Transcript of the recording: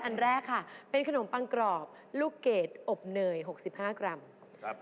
อันแรกค่ะเป็นขนมปังกรอบลูกเกดอบเนย๖๕กรัม